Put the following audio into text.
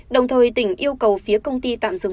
đồng thời tỉnh yêu cầu phía công ty tạm dừng